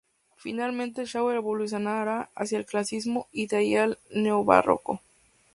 Finalmente Shaw evolucionará hacia el clasicismo y de ahí al neobarroco.